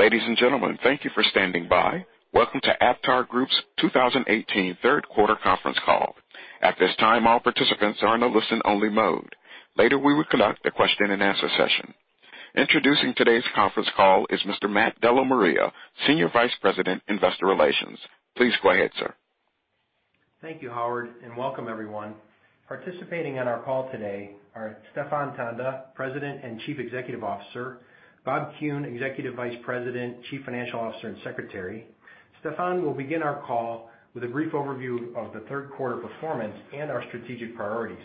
Ladies and gentlemen, thank you for standing by. Welcome to AptarGroup's 2018 third quarter conference call. At this time, all participants are in a listen-only mode. Later, we will conduct a question-and-answer session. Introducing today's conference call is Mr. Matt DellaMaria, Senior Vice President, Investor Relations. Please go ahead, sir. Thank you, Howard. Welcome everyone. Participating on our call today are Stephan Tanda, President and Chief Executive Officer, Bob Kuhn, Executive Vice President, Chief Financial Officer, and Secretary. Stephan will begin our call with a brief overview of the third quarter performance and our strategic priorities.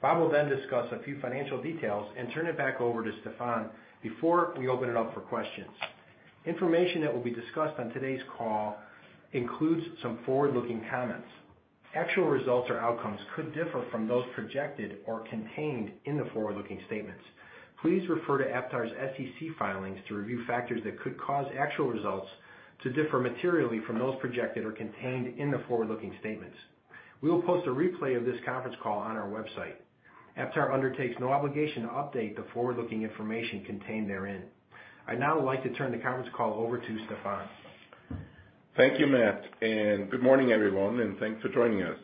Bob will then discuss a few financial details and turn it back over to Stephan before we open it up for questions. Information that will be discussed on today's call includes some forward-looking comments. Actual results or outcomes could differ from those projected or contained in the forward-looking statements. Please refer to Aptar's SEC filings to review factors that could cause actual results to differ materially from those projected or contained in the forward-looking statements. We will post a replay of this conference call on our website. Aptar undertakes no obligation to update the forward-looking information contained therein. I'd now like to turn the conference call over to Stephan. Thank you, Matt. Good morning, everyone. Thanks for joining us.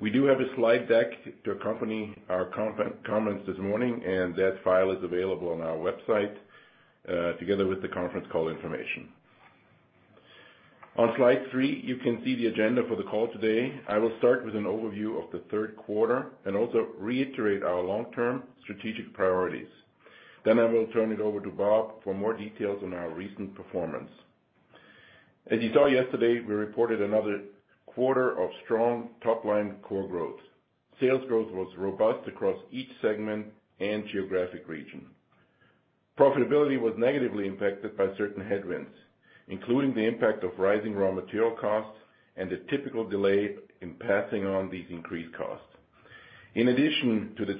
We do have a slide deck to accompany our comments this morning, and that file is available on our website, together with the conference call information. On slide three, you can see the agenda for the call today. I will start with an overview of the third quarter and also reiterate our long-term strategic priorities. I will turn it over to Bob for more details on our recent performance. As you saw yesterday, we reported another quarter of strong top-line core growth. Sales growth was robust across each segment and geographic region. Profitability was negatively impacted by certain headwinds, including the impact of rising raw material costs and the typical delay in passing on these increased costs. In addition to the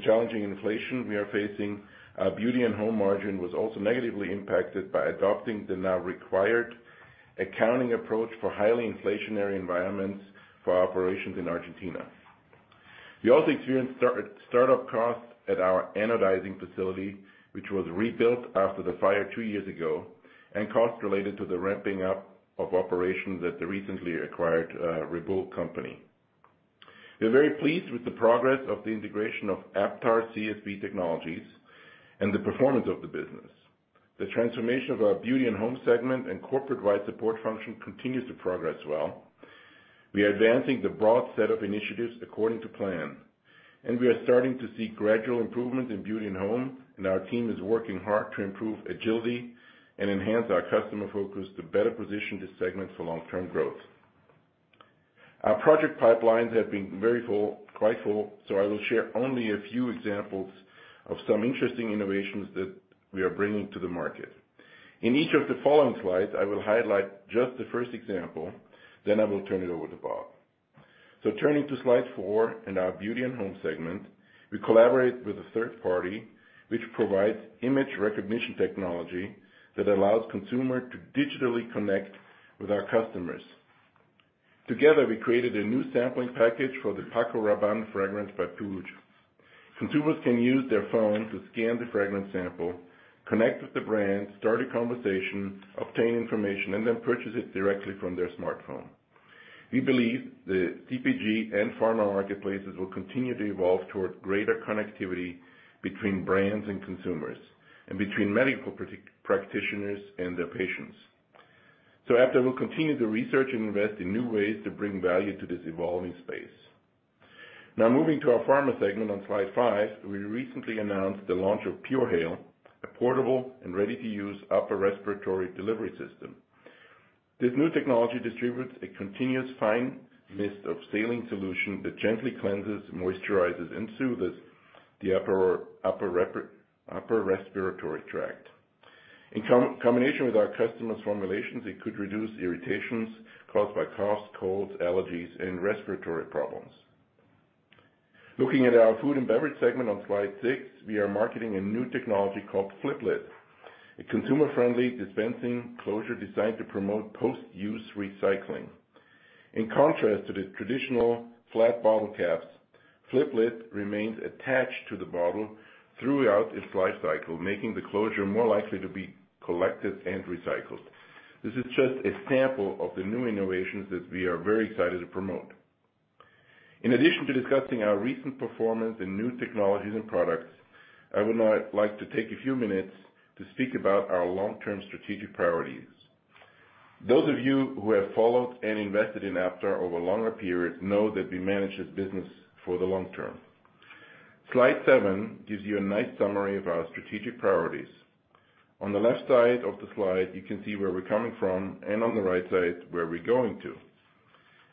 challenging inflation we are facing, our Beauty and Home margin was also negatively impacted by adopting the now required accounting approach for highly inflationary environments for operations in Argentina. We also experienced startup costs at our anodizing facility, which was rebuilt after the fire two years ago, and costs related to the ramping up of operations at the recently acquired Reboul company. We are very pleased with the progress of the integration of Aptar CSP Technologies and the performance of the business. The transformation of our Beauty and Home segment and corporate-wide support function continues to progress well. We are advancing the broad set of initiatives according to plan, and we are starting to see gradual improvement in Beauty and Home. Our team is working hard to improve agility and enhance our customer focus to better position this segment for long-term growth. Our project pipelines have been quite full. I will share only a few examples of some interesting innovations that we are bringing to the market. In each of the following slides, I will highlight just the first example. I will turn it over to Bob. Turning to slide four in our Beauty and Home segment, we collaborate with a third party which provides image recognition technology that allows consumer to digitally connect with our customers. Together, we created a new sampling package for the Paco Rabanne fragrance by Puig. Consumers can use their phone to scan the fragrance sample, connect with the brand, start a conversation, obtain information, and then purchase it directly from their smartphone. We believe the CPG and pharma marketplaces will continue to evolve toward greater connectivity between brands and consumers and between medical practitioners and their patients. Aptar will continue to research and invest in new ways to bring value to this evolving space. Now moving to our pharma segment on slide five, we recently announced the launch of PureHale, a portable and ready-to-use upper respiratory delivery system. This new technology distributes a continuous fine mist of saline solution that gently cleanses, moisturizes, and soothes the upper respiratory tract. In combination with our customers' formulations, it could reduce irritations caused by coughs, colds, allergies, and respiratory problems. Looking at our food and beverage segment on slide six, we are marketing a new technology called Flip Lid, a consumer-friendly dispensing closure designed to promote post-use recycling. In contrast to the traditional flat bottle caps, Flip Lid remains attached to the bottle throughout its lifecycle, making the closure more likely to be collected and recycled. This is just a sample of the new innovations that we are very excited to promote. In addition to discussing our recent performance in new technologies and products, I would now like to take a few minutes to speak about our long-term strategic priorities. Those of you who have followed and invested in Aptar over longer periods know that we manage this business for the long term. Slide seven gives you a nice summary of our strategic priorities. On the left side of the slide, you can see where we're coming from, and on the right side, where we're going to.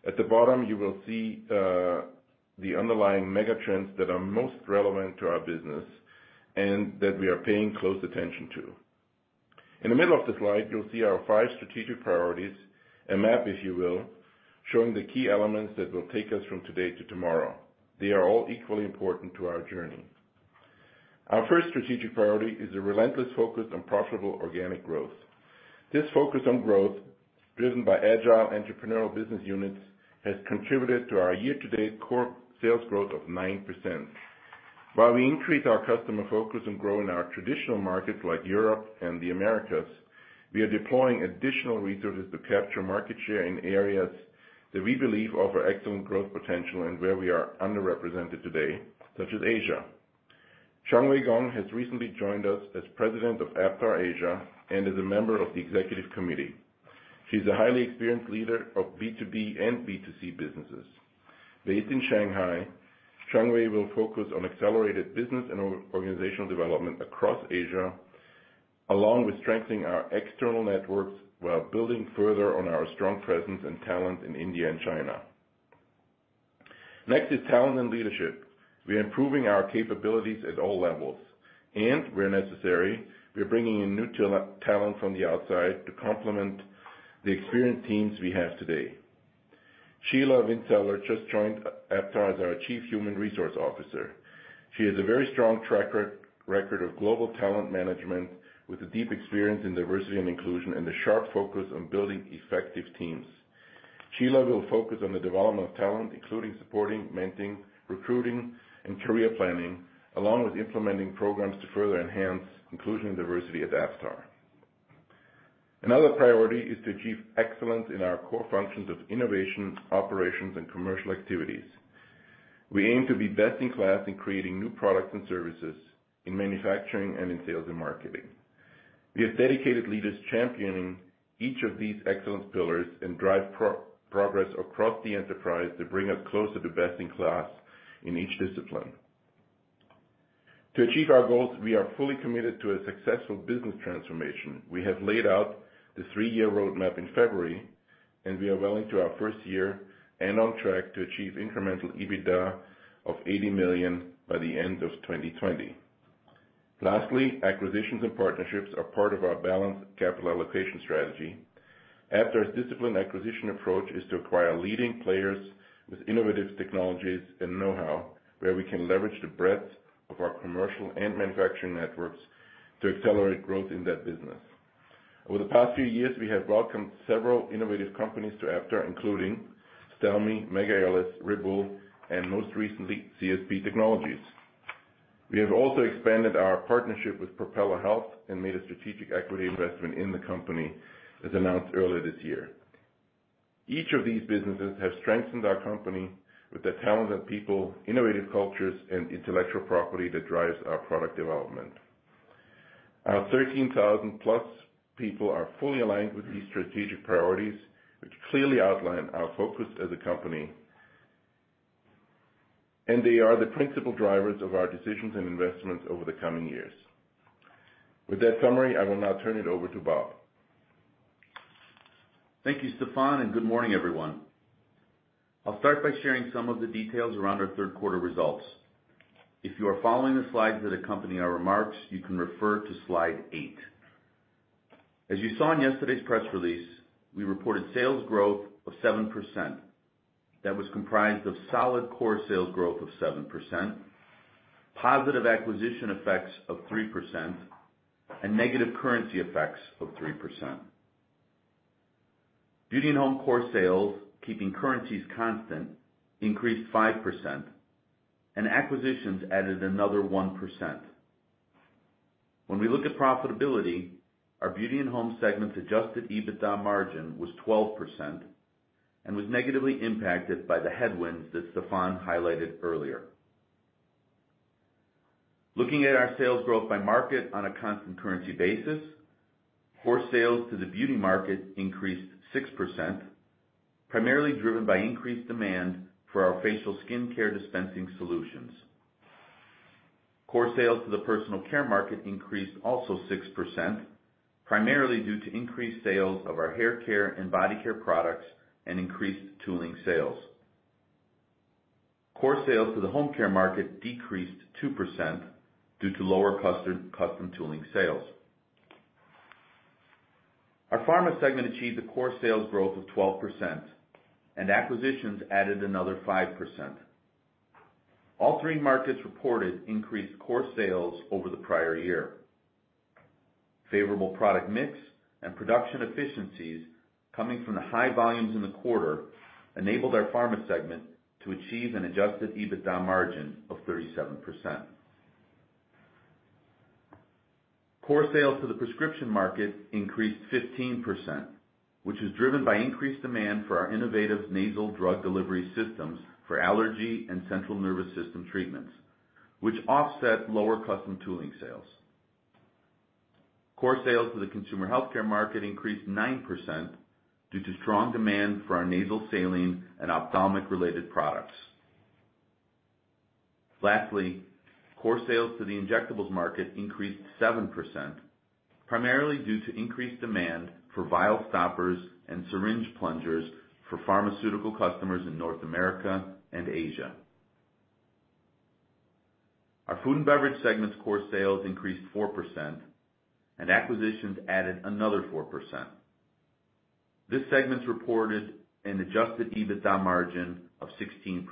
At the bottom, you will see the underlying mega trends that are most relevant to our business and that we are paying close attention to. In the middle of the slide, you'll see our five strategic priorities, a map if you will, showing the key elements that will take us from today to tomorrow. They are all equally important to our journey. Our first strategic priority is a relentless focus on profitable organic growth. This focus on growth, driven by agile entrepreneurial business units, has contributed to our year-to-date core sales growth of 9%. While we increase our customer focus and grow in our traditional markets like Europe and the Americas, we are deploying additional resources to capture market share in areas that we believe offer excellent growth potential and where we are underrepresented today, such as Asia. Xiangwei Gong has recently joined us as President of Aptar Asia and is a member of the Executive Committee. She's a highly experienced leader of B2B and B2C businesses. Based in Shanghai, Xiangwei will focus on accelerated business and organizational development across Asia, along with strengthening our external networks while building further on our strong presence and talent in India and China. Next is talent and leadership. We are improving our capabilities at all levels and where necessary, we are bringing in new talent from the outside to complement the experienced teams we have today. Shiela Vinczeller just joined Aptar as our Chief Human Resource Officer. She has a very strong track record of global talent management with a deep experience in diversity and inclusion and a sharp focus on building effective teams. Shiela will focus on the development of talent, including supporting, mentoring, recruiting, and career planning, along with implementing programs to further enhance inclusion and diversity at Aptar. Another priority is to achieve excellence in our core functions of innovation, operations, and commercial activities. We aim to be best in class in creating new products and services, in manufacturing, and in sales and marketing. We have dedicated leaders championing each of these excellence pillars and drive progress across the enterprise to bring us closer to best in class in each discipline. To achieve our goals, we are fully committed to a successful business transformation. We have laid out the three-year roadmap in February, and we are well into our first year and on track to achieve incremental EBITDA of $80 million by the end of 2020. Lastly, acquisitions and partnerships are part of our balanced capital allocation strategy. Aptar's disciplined acquisition approach is to acquire leading players with innovative technologies and know-how, where we can leverage the breadth of our commercial and manufacturing networks to accelerate growth in that business. Over the past few years, we have welcomed several innovative companies to Aptar, including Stelmi, Mega Airless, Reboul, and most recently, CSP Technologies. We have also expanded our partnership with Propeller Health and made a strategic equity investment in the company, as announced earlier this year. Each of these businesses have strengthened our company with the talented people, innovative cultures, and intellectual property that drives our product development. Our 13,000-plus people are fully aligned with these strategic priorities, which clearly outline our focus as a company. They are the principal drivers of our decisions and investments over the coming years. With that summary, I will now turn it over to Bob. Thank you, Stephan, and good morning, everyone. I'll start by sharing some of the details around our third quarter results. If you are following the slides that accompany our remarks, you can refer to slide 8. As you saw in yesterday's press release, we reported sales growth of 7% that was comprised of solid core sales growth of 7%, positive acquisition effects of 3%, and negative currency effects of 3%. Beauty and home core sales, keeping currencies constant, increased 5%, and acquisitions added another 1%. When we look at profitability, our beauty and home segment's adjusted EBITDA margin was 12% and was negatively impacted by the headwinds that Stephan highlighted earlier. Looking at our sales growth by market on a constant currency basis, core sales to the beauty market increased 6%, primarily driven by increased demand for our facial skincare dispensing solutions. Core sales to the personal care market increased also 6%, primarily due to increased sales of our hair care and body care products and increased tooling sales. Core sales to the home care market decreased 2% due to lower custom tooling sales. Our pharma segment achieved a core sales growth of 12%, and acquisitions added another 5%. All three markets reported increased core sales over the prior year. Favorable product mix and production efficiencies coming from the high volumes in the quarter enabled our pharma segment to achieve an adjusted EBITDA margin of 37%. Core sales to the prescription market increased 15%, which is driven by increased demand for our innovative nasal drug delivery systems for allergy and central nervous system treatments, which offset lower custom tooling sales. Core sales to the consumer healthcare market increased 9% due to strong demand for our nasal saline and ophthalmic-related products. Lastly, core sales to the injectables market increased 7%, primarily due to increased demand for vial stoppers and syringe plungers for pharmaceutical customers in North America and Asia. Our food and beverage segment's core sales increased 4%, and acquisitions added another 4%. This segment reported an adjusted EBITDA margin of 16%.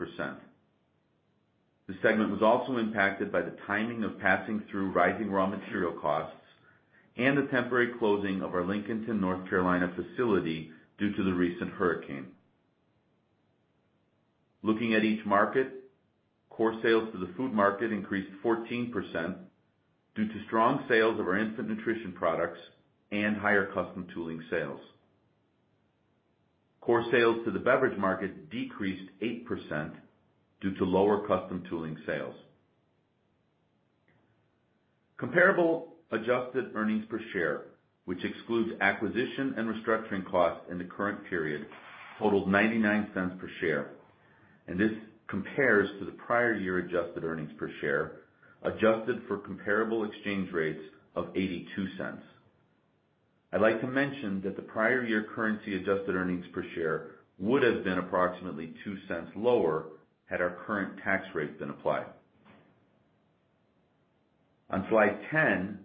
The segment was also impacted by the timing of passing through rising raw material costs and the temporary closing of our Lincolnton, N.C. facility due to the recent hurricane. Looking at each market, core sales to the food market increased 14% due to strong sales of our instant nutrition products and higher custom tooling sales. Core sales to the beverage market decreased 8% due to lower custom tooling sales. Comparable adjusted earnings per share, which excludes acquisition and restructuring costs in the current period, totaled $0.99 per share. This compares to the prior year adjusted earnings per share, adjusted for comparable exchange rates of $0.82. I'd like to mention that the prior year currency adjusted earnings per share would've been approximately $0.02 lower had our current tax rate been applied. On slide 10,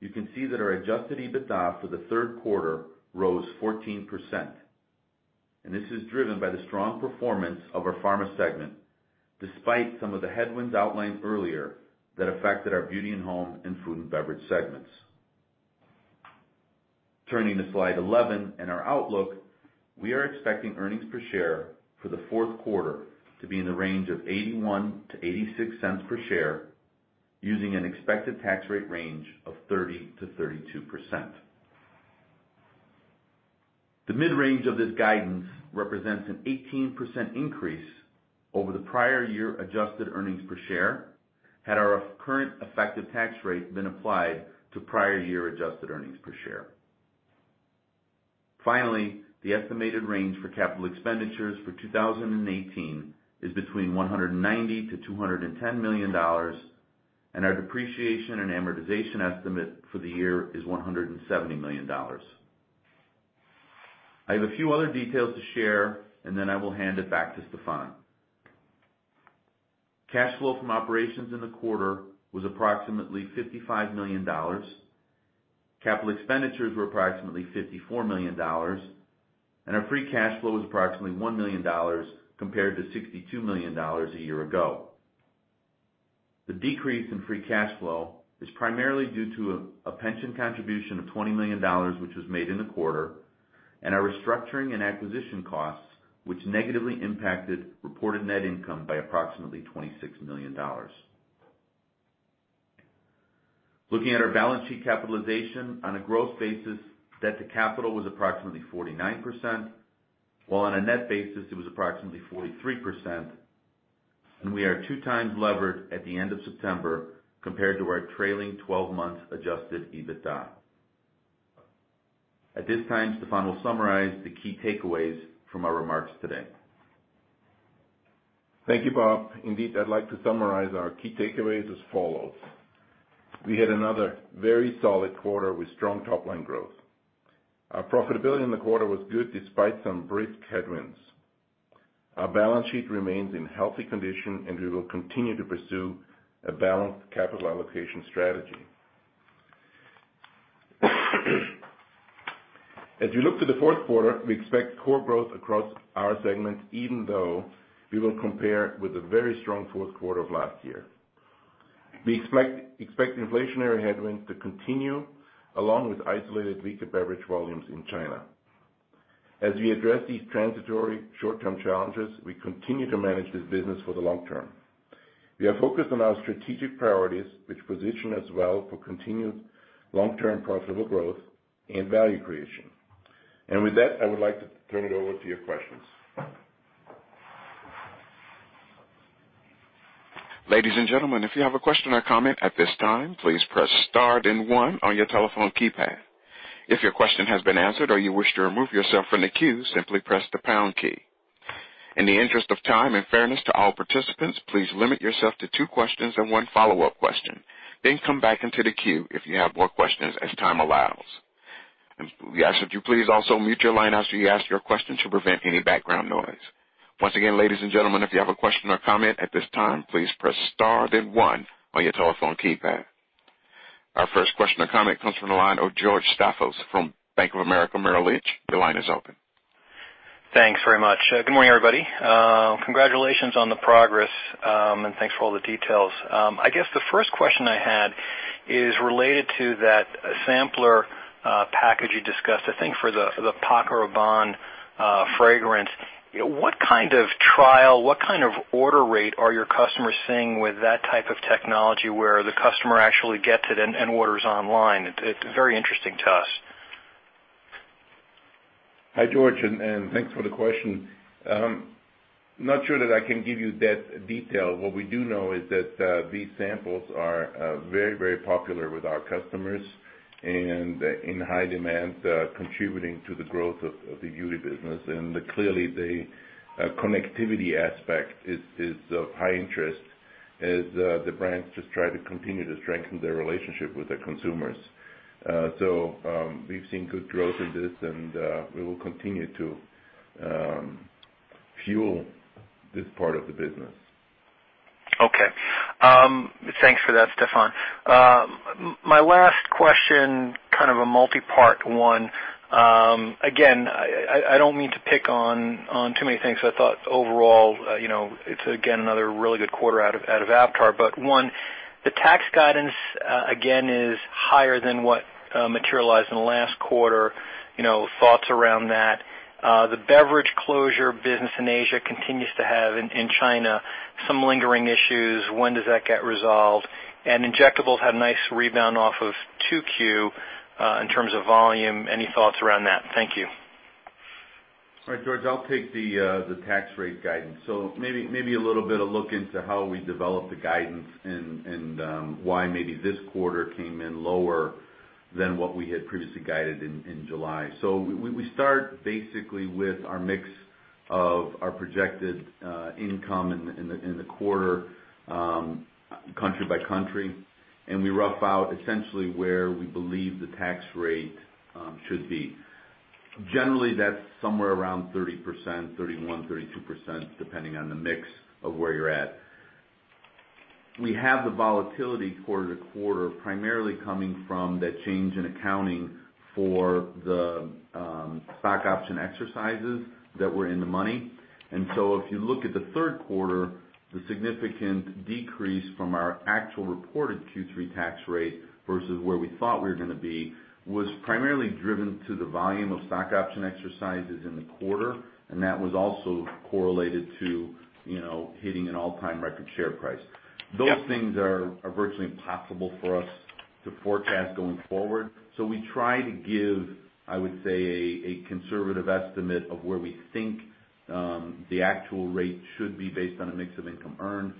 you can see that our adjusted EBITDA for the third quarter rose 14%. This is driven by the strong performance of our pharma segment, despite some of the headwinds outlined earlier that affected our beauty and home and food and beverage segments. Turning to slide 11 and our outlook, we are expecting earnings per share for the fourth quarter to be in the range of $0.81 to $0.86 per share using an expected tax rate range of 30%-32%. The mid-range of this guidance represents an 18% increase over the prior year adjusted earnings per share had our current effective tax rate been applied to prior year adjusted earnings per share. Finally, the estimated range for capital expenditures for 2018 is between $190 million-$210 million, and our depreciation and amortization estimate for the year is $170 million. I have a few other details to share, and then I will hand it back to Stephan. Cash flow from operations in the quarter was approximately $55 million. Capital expenditures were approximately $54 million, and our free cash flow was approximately $1 million compared to $62 million a year ago. The decrease in free cash flow is primarily due to a pension contribution of $20 million, which was made in the quarter, and our restructuring and acquisition costs, which negatively impacted reported net income by approximately $26 million. Looking at our balance sheet capitalization on a gross basis, debt to capital was approximately 49%, while on a net basis it was approximately 43%, and we are 2x levered at the end of September compared to our trailing 12 months adjusted EBITDA. At this time, Stephan will summarize the key takeaways from our remarks today. Thank you, Bob. Indeed, I'd like to summarize our key takeaways as follows. We had another very solid quarter with strong top-line growth. Our profitability in the quarter was good despite some brisk headwinds. Our balance sheet remains in healthy condition, and we will continue to pursue a balanced capital allocation strategy. As we look to the fourth quarter, we expect core growth across our segments, even though we will compare with a very strong fourth quarter of last year. We expect inflationary headwinds to continue, along with isolated weaker beverage volumes in China. As we address these transitory short-term challenges, we continue to manage this business for the long term. We are focused on our strategic priorities, which position us well for continued long-term profitable growth and value creation. With that, I would like to turn it over to your questions. Ladies and gentlemen, if you have a question or comment at this time, please press star then one on your telephone keypad. If your question has been answered or you wish to remove yourself from the queue, simply press the pound key. In the interest of time and fairness to all participants, please limit yourself to two questions and one follow-up question. Come back into the queue if you have more questions as time allows. We ask that you please also mute your line after you ask your question to prevent any background noise. Once again, ladies and gentlemen, if you have a question or comment at this time, please press star then one on your telephone keypad. Our first question or comment comes from the line of George Staphos from Bank of America Merrill Lynch. Your line is open. Thanks very much. Good morning, everybody. Congratulations on the progress, thanks for all the details. I guess the first question I had is related to that sampler package you discussed, I think for the Paco Rabanne fragrance. What kind of trial, what kind of order rate are your customers seeing with that type of technology where the customer actually gets it and orders online? It's very interesting to us. Hi, George, thanks for the question. I'm not sure that I can give you that detail. What we do know is that these samples are very popular with our customers and in high demand, contributing to the growth of the beauty business. Clearly the connectivity aspect is of high interest as the brands just try to continue to strengthen their relationship with their consumers. We've seen good growth in this, and we will continue to fuel this part of the business. Okay. Thanks for that, Stephan. My last question, kind of a multipart one. Again, I don't mean to pick on too many things. I thought overall, it's again another really good quarter out of Aptar. One, the tax guidance, again, is higher than what materialized in the last quarter. Thoughts around that. The beverage closure business in Asia continues to have, in China, some lingering issues. When does that get resolved? Injectables had a nice rebound off of 2Q in terms of volume. Any thoughts around that? Thank you. All right, George, I'll take the tax rate guidance. Maybe a little bit of look into how we developed the guidance and why maybe this quarter came in lower than what we had previously guided in July. We start basically with our mix of our projected income in the quarter, country by country, and we rough out essentially where we believe the tax rate should be. Generally, that's somewhere around 30%, 31%, 32%, depending on the mix of where you're at. We have the volatility quarter to quarter, primarily coming from that change in accounting for the stock option exercises that were in the money. If you look at the third quarter, the significant decrease from our actual reported Q3 tax rate versus where we thought we were going to be, was primarily driven to the volume of stock option exercises in the quarter, and that was also correlated to hitting an all-time record share price. Yep. Those things are virtually impossible for us to forecast going forward. We try to give, I would say, a conservative estimate of where we think the actual rate should be based on a mix of income earned.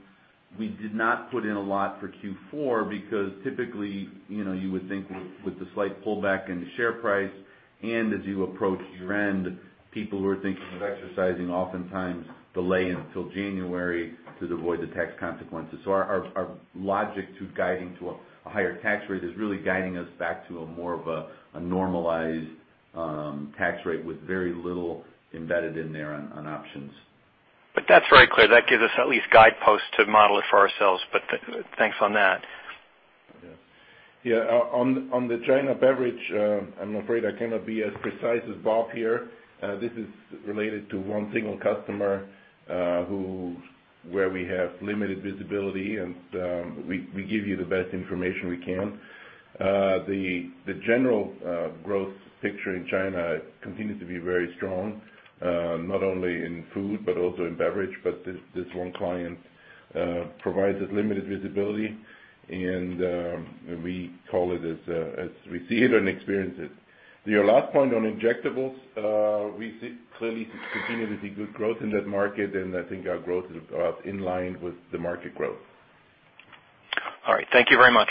We did not put in a lot for Q4 because typically, you would think with the slight pullback in the share price, and as you approach year-end, people who are thinking of exercising oftentimes delay until January to avoid the tax consequences. Our logic to guiding to a higher tax rate is really guiding us back to a more of a normalized tax rate with very little embedded in there on options. That's very clear. That gives us at least guideposts to model it for ourselves, but thanks on that. Yeah. On the China beverage, I'm afraid I cannot be as precise as Bob here. This is related to one single customer, where we have limited visibility, and we give you the best information we can. The general growth picture in China continues to be very strong, not only in food but also in beverage. This one client provides us limited visibility and we call it as we see it and experience it. To your last point on injectables, we clearly continue to see good growth in that market, and I think our growth is about in line with the market growth. All right. Thank you very much.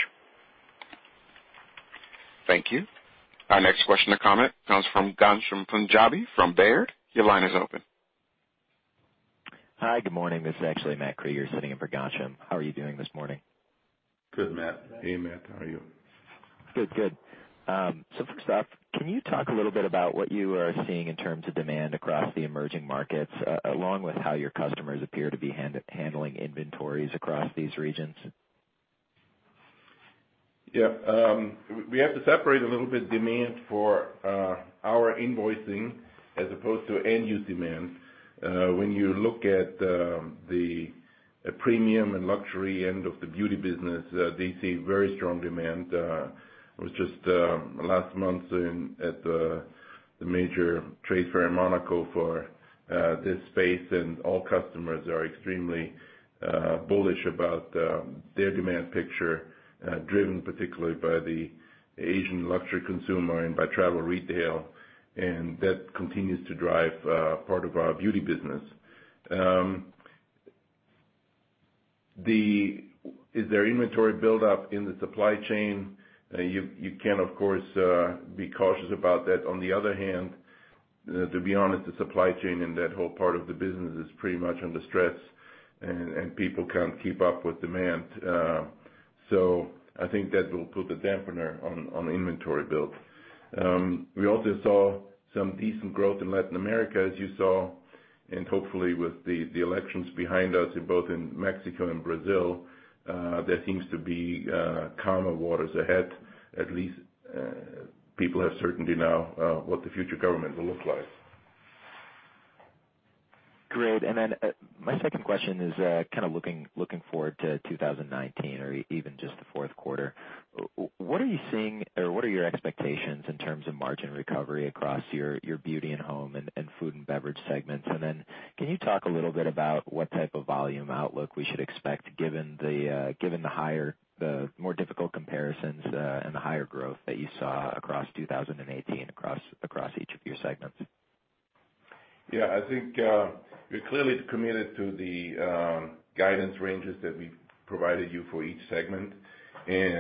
Thank you. Our next question and comment comes from Ghansham Panjabi from Baird. Your line is open. Hi. Good morning. This is actually Matthew Krueger sitting in for Ghansham. How are you doing this morning? Good, Matt. Hey, Matt. How are you? Good. First off, can you talk a little bit about what you are seeing in terms of demand across the emerging markets, along with how your customers appear to be handling inventories across these regions? We have to separate a little bit demand for our invoicing as opposed to end-use demand. When you look at the premium and luxury end of the beauty business, they see very strong demand. I was just, last month, at the major trade fair in Monaco for this space, all customers are extremely bullish about their demand picture, driven particularly by the Asian luxury consumer and by travel retail, that continues to drive part of our beauty business. Is there inventory buildup in the supply chain? You can, of course, be cautious about that. On the other hand, to be honest, the supply chain in that whole part of the business is pretty much under stress, people can't keep up with demand. I think that will put the dampener on inventory build. We also saw some decent growth in Latin America, as you saw, hopefully with the elections behind us both in Mexico and Brazil, there seems to be calmer waters ahead. At least people have certainty now what the future government will look like. My second question is kind of looking forward to 2019 or even just the fourth quarter. What are you seeing or what are your expectations in terms of margin recovery across your beauty and home and food and beverage segments? Can you talk a little bit about what type of volume outlook we should expect given the more difficult comparisons, and the higher growth that you saw across 2018 across each of your segments? Yeah, I think we're clearly committed to the guidance ranges that we provided you for each segment. We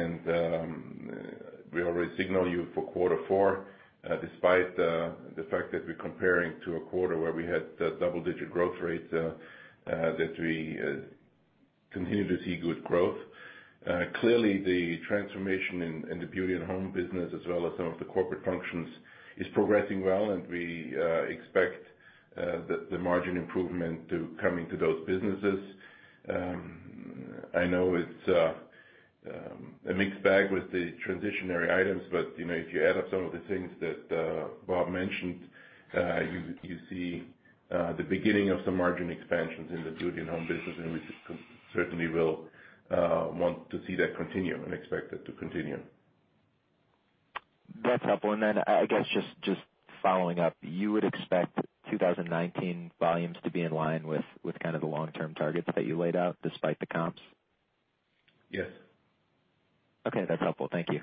already signaled you for quarter four, despite the fact that we're comparing to a quarter where we had double-digit growth rates, that we continue to see good growth. Clearly, the transformation in the beauty and home business, as well as some of the corporate functions, is progressing well, and we expect the margin improvement coming to those businesses. I know it's a mixed bag with the transitionary items, but if you add up some of the things that Bob mentioned, you see the beginning of some margin expansions in the beauty and home business, and we certainly will want to see that continue and expect it to continue. That's helpful. I guess just following up, you would expect 2019 volumes to be in line with the long-term targets that you laid out despite the comps? Yes. Okay. That's helpful. Thank you.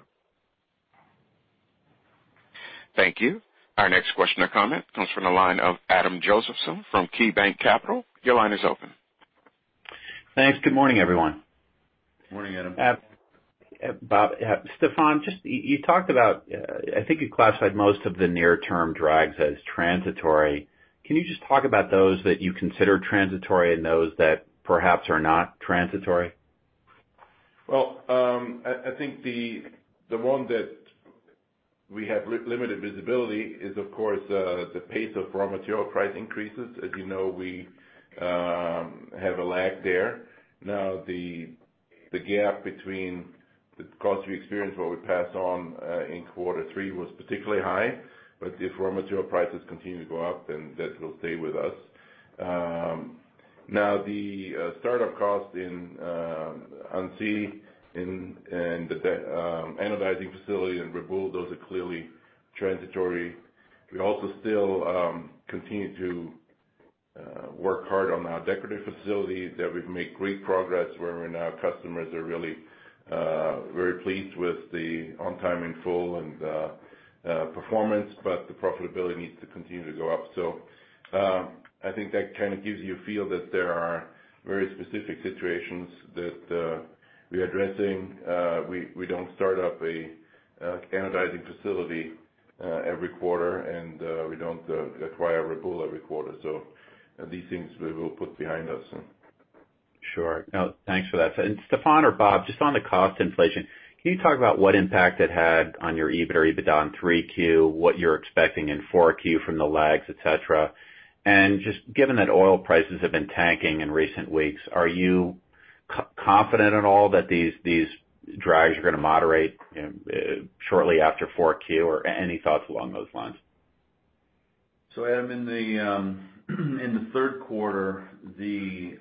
Thank you. Our next question or comment comes from the line of Adam Josephson from KeyBanc Capital. Your line is open. Thanks. Good morning, everyone. Morning, Adam. Bob, Stephan, you talked about, I think you classified most of the near-term drags as transitory. Can you just talk about those that you consider transitory and those that perhaps are not transitory? Well, I think the one that we have limited visibility is, of course, the pace of raw material price increases. As you know, we have a lag there. Now, the gap between the cost we experienced, what we passed on in quarter three was particularly high. If raw material prices continue to go up, then that will stay with us. Now the startup cost in Annecy and the anodizing facility in Reboul, those are clearly transitory. We also still continue to work hard on our decorative facilities there. We've made great progress wherein our customers are really very pleased with the on time in full and performance, but the profitability needs to continue to go up. I think that kind of gives you a feel that there are very specific situations that we are addressing. We don't start up an anodizing facility every quarter, and we don't acquire Reboul every quarter. These things we will put behind us. Sure. No, thanks for that. Stephan or Bob, just on the cost inflation, can you talk about what impact it had on your EBIT or EBITDA in three Q, what you're expecting in four Q from the lags, et cetera. Just given that oil prices have been tanking in recent weeks, are you confident at all that these drags are going to moderate shortly after four Q, or any thoughts along those lines? Adam, in the third quarter, the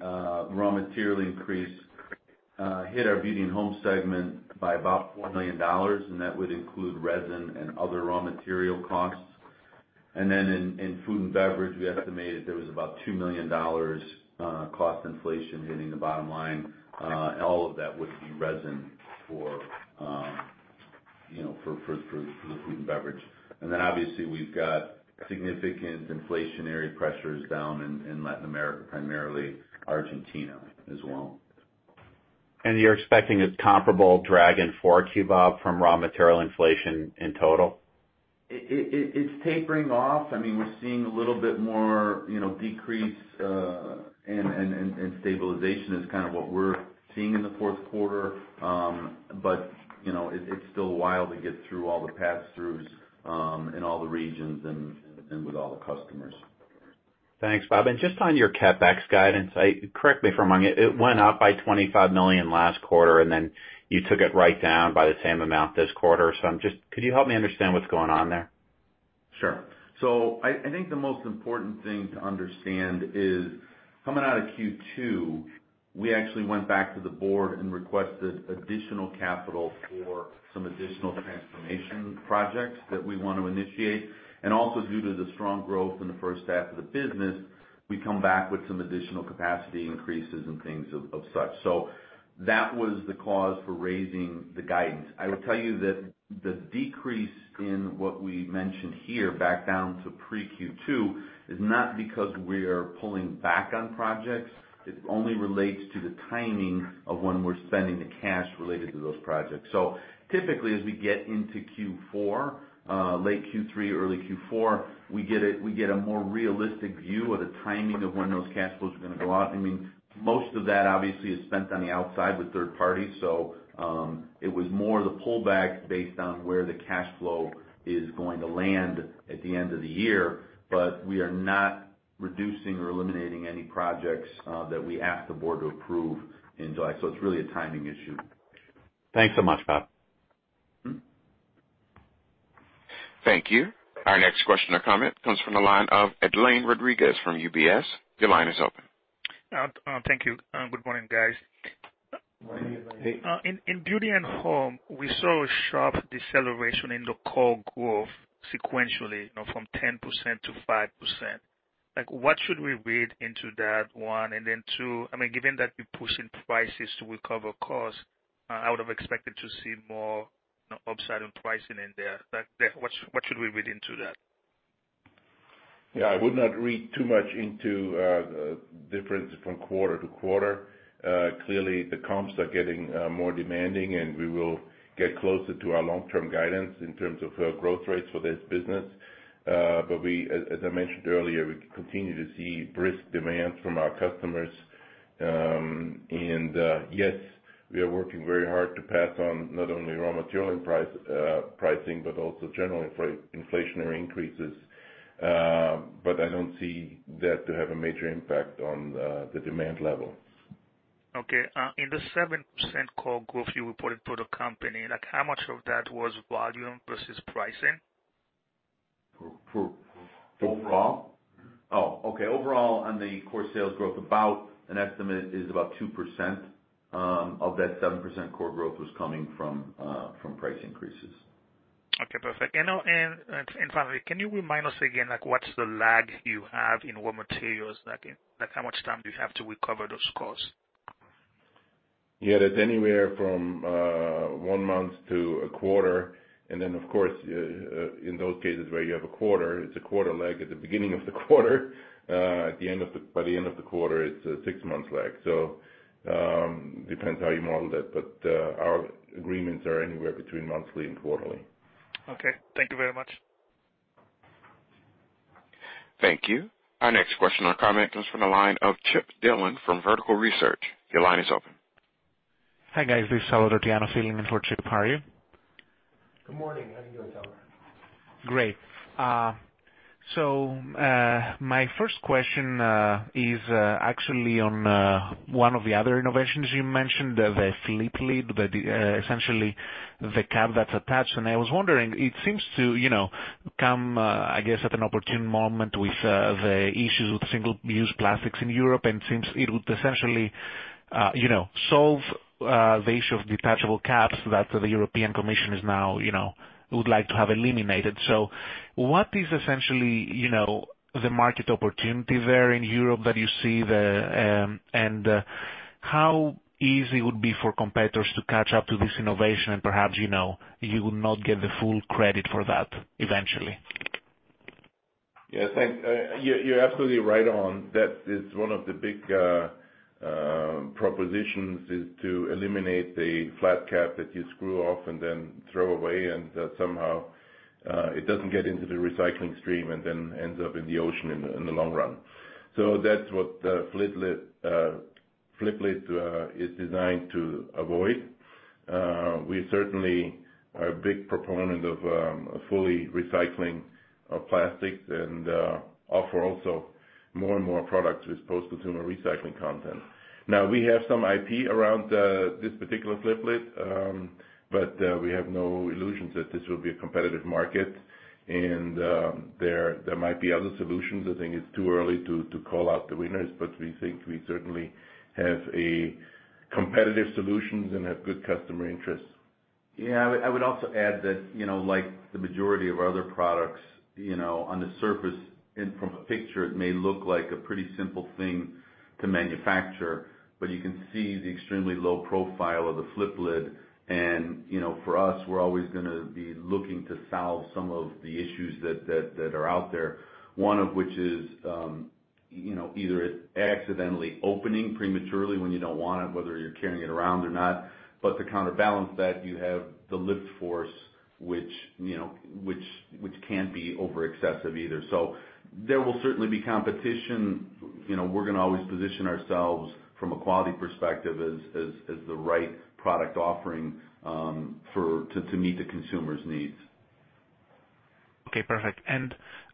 raw material increase hit our beauty and home segment by about $4 million, and that would include resin and other raw material costs. In food and beverage, we estimated there was about $2 million cost inflation hitting the bottom line. All of that would be resin for the food and beverage. Obviously we've got significant inflationary pressures down in Latin America, primarily Argentina as well. You're expecting a comparable drag in 4Q, Bob, from raw material inflation in total? It's tapering off. We're seeing a little bit more decrease, and stabilization is kind of what we're seeing in the fourth quarter. It's still a while to get through all the pass-throughs in all the regions and with all the customers. Thanks, Bob. Just on your CapEx guidance, correct me if I'm wrong, it went up by $25 million last quarter, you took it right down by the same amount this quarter. Could you help me understand what's going on there? Sure. I think the most important thing to understand is coming out of Q2, we actually went back to the Board and requested additional capital for some additional transformation projects that we want to initiate. Also due to the strong growth in the first half of the business, we come back with some additional capacity increases and things of such. That was the cause for raising the guidance. I will tell you that the decrease in what we mentioned here back down to pre Q2 is not because we are pulling back on projects. It only relates to the timing of when we're spending the cash related to those projects. Typically, as we get into Q4, late Q3 or early Q4, we get a more realistic view of the timing of when those cash flows are going to go out. Most of that obviously is spent on the outside with third parties. It was more the pullback based on where the cash flow is going to land at the end of the year. We are not reducing or eliminating any projects that we asked the Board to approve in July. It's really a timing issue. Thanks so much, Bob. Thank you. Our next question or comment comes from the line of Edlain Rodriguez from UBS. Your line is open. Thank you. Good morning, guys. Morning. Hey. In beauty and home, we saw a sharp deceleration in the core growth sequentially from 10% to 5%. What should we read into that, one? Two, given that we're pushing prices to recover costs, I would have expected to see more upside in pricing in there. What should we read into that? I would not read too much into the difference from quarter to quarter. Clearly the comps are getting more demanding, and we will get closer to our long-term guidance in terms of growth rates for this business. As I mentioned earlier, we continue to see brisk demand from our customers Yes, we are working very hard to pass on not only raw material pricing, but also general inflationary increases. I don't see that to have a major impact on the demand level. In the 7% core growth you reported for the company, how much of that was volume versus pricing? For overall? Overall, on the core sales growth, an estimate is about 2% of that 7% core growth was coming from price increases. Finally, can you remind us again, what's the lag you have in raw materials? Like how much time do you have to recover those costs? That's anywhere from one month to a quarter. Of course, in those cases where you have a quarter, it's a quarter lag at the beginning of the quarter. By the end of the quarter, it's a six-month lag. Depends how you model that. Our agreements are anywhere between monthly and quarterly. Okay. Thank you very much. Thank you. Our next question or comment comes from the line of Chip Dillon from Vertical Research. Your line is open. Hi, guys. This is Salvatore Tiano filling in for Chip. How are you? Good morning. How you doing, Salvatore? Great. My first question is actually on one of the other innovations you mentioned, the Flip Lid, essentially the cap that's attached. I was wondering, it seems to come, I guess, at an opportune moment with the issues with single-use plastics in Europe, and since it would essentially solve the issue of detachable caps that the European Commission would like to have eliminated. What is essentially the market opportunity there in Europe that you see there, and how easy it would be for competitors to catch up to this innovation and perhaps you would not get the full credit for that eventually? Yeah. You're absolutely right on. That is one of the big propositions is to eliminate the flat cap that you screw off and then throw away, and somehow it doesn't get into the recycling stream and then ends up in the ocean in the long run. That's what Flip Lid is designed to avoid. We certainly are a big proponent of fully recycling of plastics and offer also more and more products with post-consumer recycling content. Now we have some IP around this particular Flip Lid. We have no illusions that this will be a competitive market. There might be other solutions. I think it's too early to call out the winners, but we think we certainly have a competitive solutions and have good customer interest. Yeah. I would also add that, like the majority of our other products, on the surface and from a picture, it may look like a pretty simple thing to manufacture, but you can see the extremely low profile of the Flip Lid. For us, we're always going to be looking to solve some of the issues that are out there. One of which is either it accidentally opening prematurely when you don't want it, whether you're carrying it around or not. To counterbalance that you have the lift force which can't be over excessive either. There will certainly be competition. We're going to always position ourselves from a quality perspective as the right product offering to meet the customer's needs. Okay, perfect.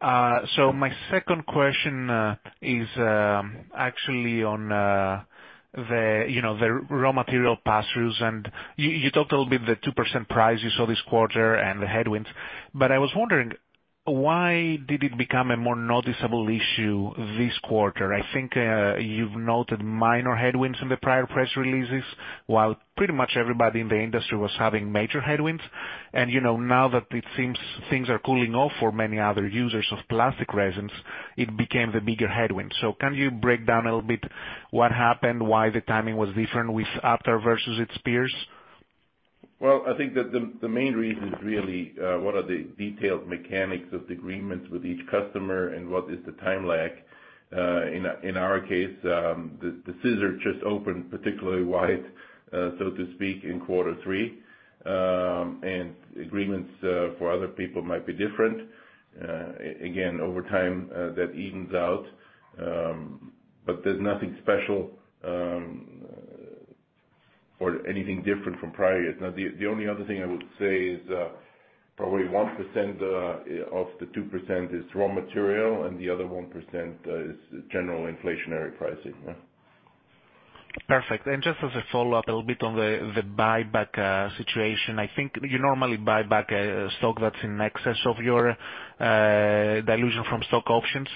My second question is actually on the raw material pass-throughs. You talked a little bit, the 2% price you saw this quarter and the headwinds, but I was wondering why did it become a more noticeable issue this quarter? I think you've noted minor headwinds in the prior press releases, while pretty much everybody in the industry was having major headwinds. Now that it seems things are cooling off for many other users of plastic resins, it became the bigger headwind. Can you break down a little bit what happened, why the timing was different with Aptar versus its peers? Well, I think that the main reason is really, what are the detailed mechanics of the agreements with each customer and what is the time lag? In our case, the scissor just opened particularly wide, so to speak, in quarter three. Agreements for other people might be different. Again, over time, that evens out. There's nothing special or anything different from prior years. The only other thing I would say is probably 1% of the 2% is raw material and the other 1% is general inflationary pricing, yeah. Perfect. Just as a follow-up a little bit on the buyback situation. I think you normally buy back stock that's in excess of your dilution from stock options.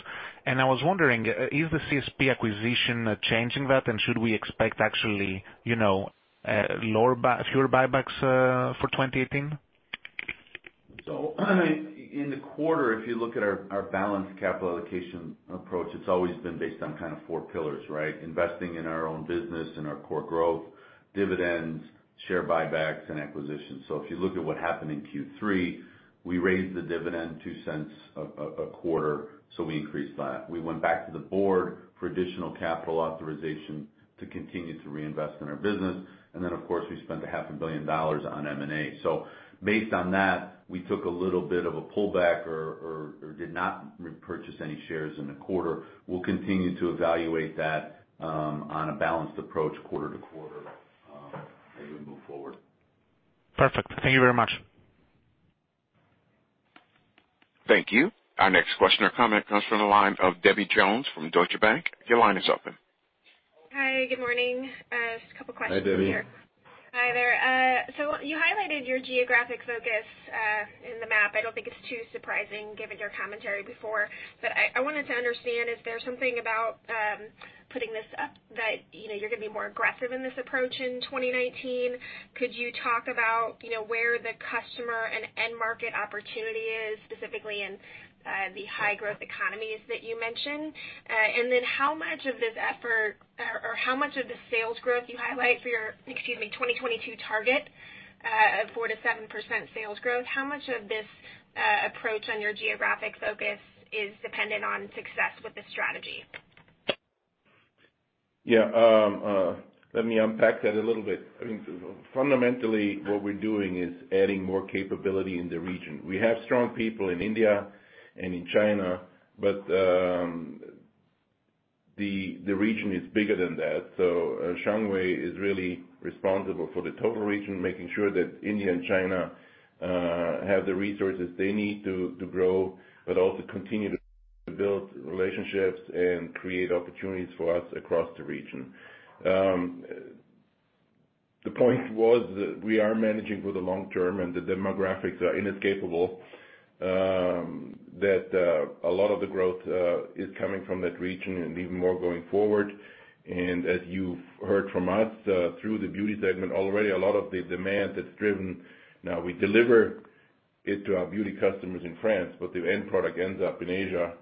I was wondering, is the CSP acquisition changing that? Should we expect actually fewer buybacks for 2018? In the quarter, if you look at our balanced capital allocation approach, it's always been based on four pillars, right? Investing in our own business, in our core growth, dividends, share buybacks, and acquisitions. If you look at what happened in Q3, we raised the dividend $0.02 a quarter, we increased that. Of course, we spent a half a billion dollars on M&A. Based on that, we took a little bit of a pullback or did not repurchase any shares in the quarter. We'll continue to evaluate that on a balanced approach quarter-to-quarter. As we move forward. Perfect. Thank you very much. Thank you. Our next question or comment comes from the line of Debbie Jones from Deutsche Bank. Your line is open. Hi, good morning. Just a couple questions here. Hi, Debbie. Hi there. You highlighted your geographic focus in the map. I don't think it's too surprising, given your commentary before. I wanted to understand, is there something about putting this up that you're going to be more aggressive in this approach in 2019? Could you talk about where the customer and end market opportunity is, specifically in the high growth economies that you mentioned? How much of this effort or how much of the sales growth you highlight for your, excuse me, 2022 target of 4%-7% sales growth, how much of this approach on your geographic focus is dependent on success with this strategy? Let me unpack that a little bit. I think fundamentally, what we're doing is adding more capability in the region. We have strong people in India and in China, the region is bigger than that. Xiangwei is really responsible for the total region, making sure that India and China have the resources they need to grow, also continue to build relationships and create opportunities for us across the region. The point was that we are managing for the long term, the demographics are inescapable, that a lot of the growth is coming from that region and even more going forward. As you've heard from us through the beauty segment already, a lot of the demand that's driven-- now we deliver it to our beauty customers in France, the end product ends up in Asia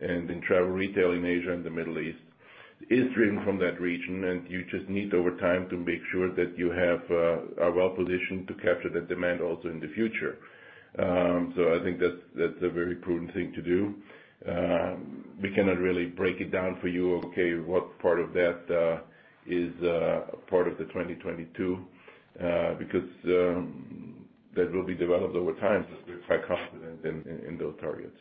and in travel retail in Asia and the Middle East, is driven from that region. You just need over time to make sure that you have a well position to capture that demand also in the future. I think that's a very prudent thing to do. We cannot really break it down for you, okay, what part of that is a part of the 2022, because that will be developed over time, we're quite confident in those targets.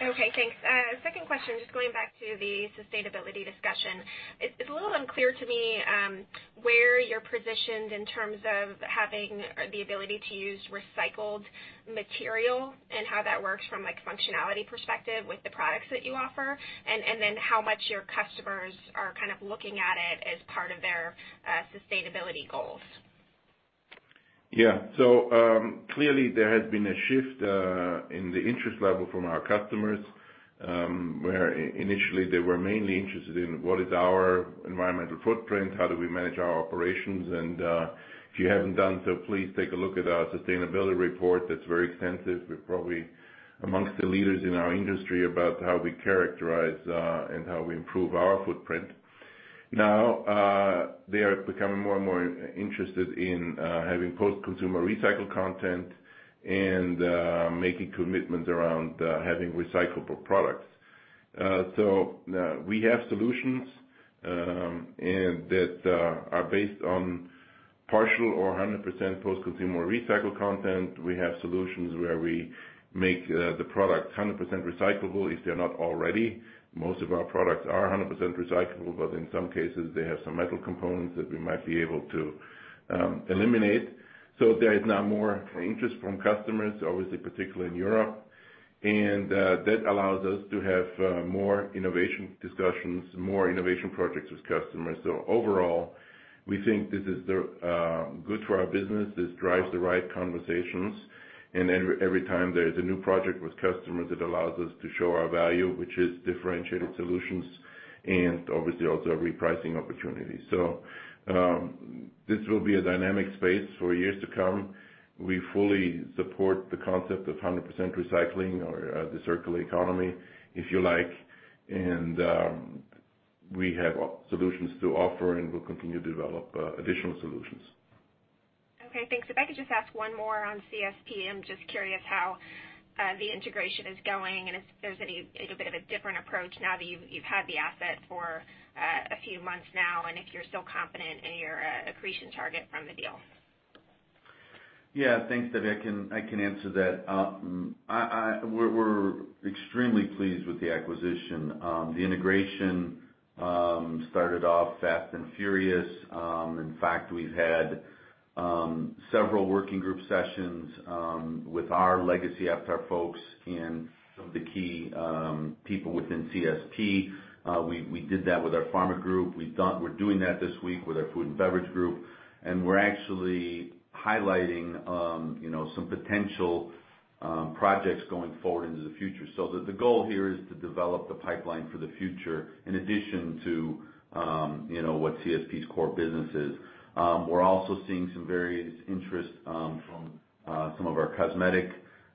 Okay, thanks. Second question, just going back to the sustainability discussion. It's a little unclear to me where you're positioned in terms of having the ability to use recycled material and how that works from functionality perspective with the products that you offer, how much your customers are looking at it as part of their sustainability goals. Clearly there has been a shift in the interest level from our customers, where initially they were mainly interested in what is our environmental footprint, how do we manage our operations. If you haven't done so, please take a look at our sustainability report that's very extensive. We're probably amongst the leaders in our industry about how we characterize and how we improve our footprint. They are becoming more and more interested in having post-consumer recycled content and making commitments around having recyclable products. We have solutions that are based on partial or 100% post-consumer recycled content. We have solutions where we make the product 100% recyclable if they're not already. Most of our products are 100% recyclable, but in some cases they have some metal components that we might be able to eliminate. There is now more interest from customers, obviously, particularly in Europe. That allows us to have more innovation discussions, more innovation projects with customers. Overall, we think this is good for our business. This drives the right conversations. Every time there is a new project with customers, it allows us to show our value, which is differentiated solutions and obviously also a repricing opportunity. This will be a dynamic space for years to come. We fully support the concept of 100% recycling or the circular economy, if you like. We have solutions to offer, and we'll continue to develop additional solutions. Okay, thanks. If I could just ask one more on CSP. I'm just curious how the integration is going, and if there's a little bit of a different approach now that you've had the asset for a few months now, and if you're still confident in your accretion target from the deal. Thanks, Debbie. I can answer that. We're extremely pleased with the acquisition. The integration started off fast and furious. In fact, we've had several working group sessions with our legacy Aptar folks and some of the key people within CSP. We did that with our pharma group. We're doing that this week with our food and beverage group, and we're actually highlighting some potential projects going forward into the future. The goal here is to develop the pipeline for the future in addition to what CSP's core business is. We're also seeing some various interest from some of our cosmetic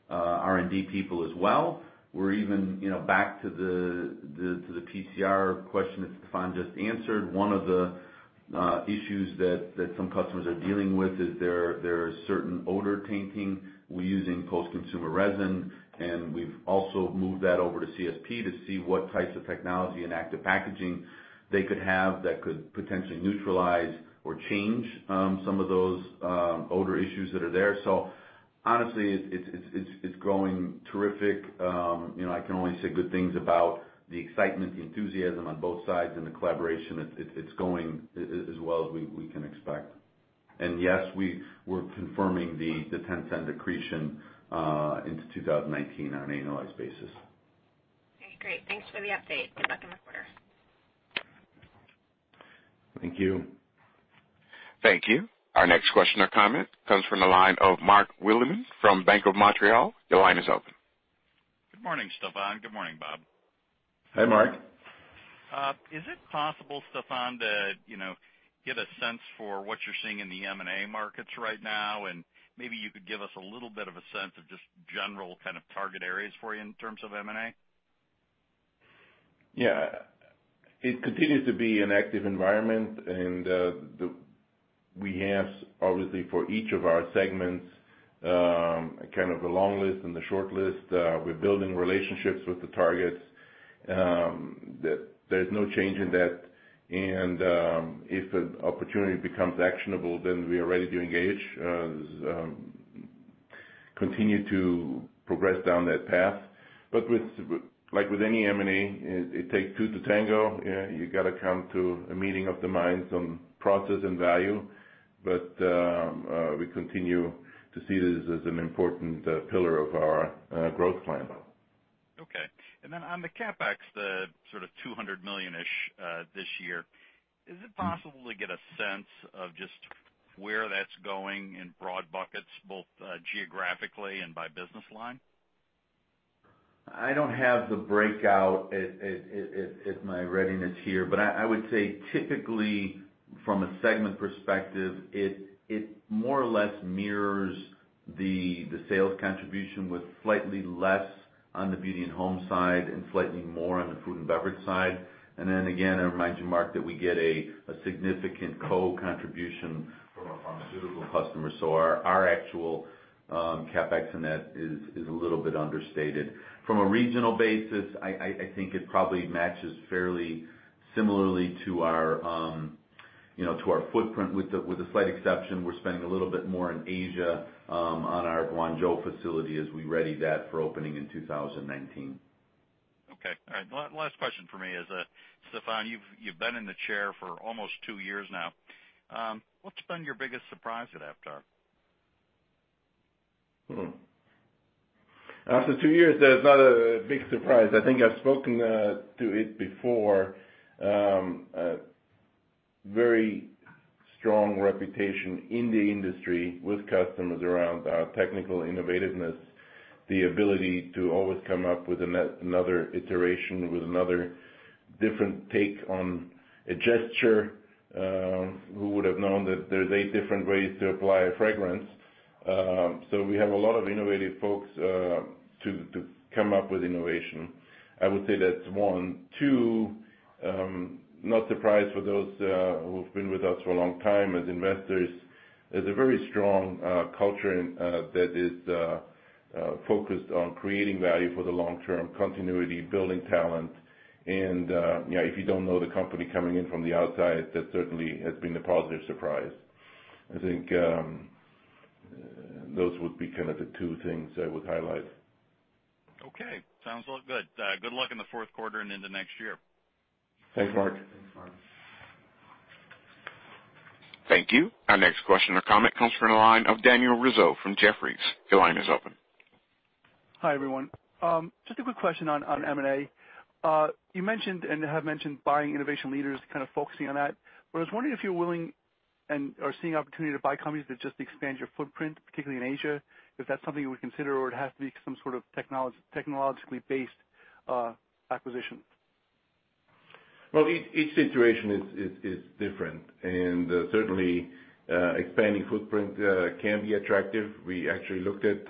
R&D people as well. We're even back to the PCR question that Stephan just answered. One of the issues that some customers are dealing with is there are certain odor tainting. We're using post-consumer resin, we've also moved that over to CSP to see what types of technology and active packaging they could have that could potentially neutralize or change some of those odor issues that are there. Honestly, it's going terrific. I can only say good things about the excitement, the enthusiasm on both sides, and the collaboration. It's going as well as we can expect. Yes, we're confirming the $0.10 accretion into 2019 on an annualized basis. Okay, great. Thanks for the update. Good luck on the quarter. Thank you. Thank you. Our next question or comment comes from the line of Mark Wilde from BMO Capital Markets. Your line is open. Good morning, Stephan. Good morning, Bob. Hey, Mark. Is it possible, Stephan, to get a sense for what you're seeing in the M&A markets right now? Maybe you could give us a little bit of a sense of just general target areas for you in terms of M&A. Yeah. It continues to be an active environment, we have, obviously, for each of our segments, a long list and a short list. We're building relationships with the targets. There's no change in that. If an opportunity becomes actionable, then we are ready to engage, continue to progress down that path. Like with any M&A, it takes two to tango. You got to come to a meeting of the minds on process and value. We continue to see this as an important pillar of our growth plan. Okay. On the CapEx, the $200 million-ish this year, is it possible to get a sense of just where that's going in broad buckets, both geographically and by business line? I don't have the breakout at my readiness here. I would say, typically, from a segment perspective, it more or less mirrors the sales contribution with slightly less on the beauty and home side and slightly more on the food and beverage side. Again, I remind you, Mark, that we get a significant co-contribution from our pharmaceutical customers. Our actual CapEx in that is a little bit understated. From a regional basis, I think it probably matches fairly similarly to our footprint, with a slight exception. We're spending a little bit more in Asia on our Guangzhou facility as we ready that for opening in 2019. Okay. All right. Last question for me is, Stephan, you've been in the chair for almost two years now. What's been your biggest surprise at Aptar? After two years, there's not a big surprise. I think I've spoken to it before. Very strong reputation in the industry with customers around our technical innovativeness, the ability to always come up with another iteration, with another different take on a gesture. Who would have known that there's eight different ways to apply a fragrance? We have a lot of innovative folks to come up with innovation. I would say that's one. Two, not surprised for those who have been with us for a long time as investors. There's a very strong culture that is focused on creating value for the long term, continuity, building talent, and if you don't know the company coming in from the outside, that certainly has been a positive surprise. I think those would be the two things I would highlight. Okay. Sounds all good. Good luck in the fourth quarter and into next year. Thanks, Mark. Thank you. Our next question or comment comes from the line of Daniel Rizzo from Jefferies. Your line is open. Hi, everyone. Just a quick question on M&A. You mentioned, and have mentioned, buying innovation leaders, kind of focusing on that. I was wondering if you're willing and are seeing opportunity to buy companies that just expand your footprint, particularly in Asia, if that's something you would consider, or would it have to be some sort of technologically based acquisition? Well, each situation is different. Certainly, expanding footprint can be attractive. We actually looked at